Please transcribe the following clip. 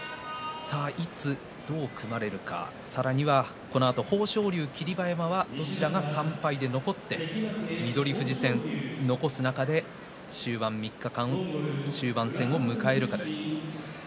どう組まれるかさらにはこのあと豊昇龍と霧馬山どちらが３敗で残って翠富士戦残す中で終盤３日間を迎えるかです。